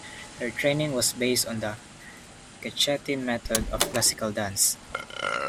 Her training was based on the Cecchetti method of classical dance.